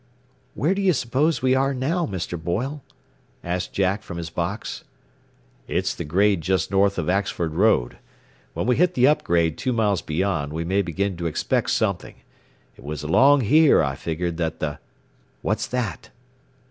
"Where do you suppose we are now, Mr. Boyle?" asked Jack from his box. "It's the grade just north of Axford Road. When we hit the up grade two miles beyond we may begin to expect something. It was along there I figured that the "What's that?"